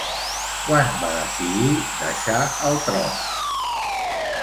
Quan va decidir deixar el tron?